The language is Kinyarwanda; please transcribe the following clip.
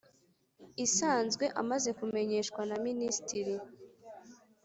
Isanzwe amaze kumenyeshwa na minisitiri